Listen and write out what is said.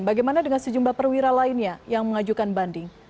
bagaimana dengan sejumlah perwira lainnya yang mengajukan banding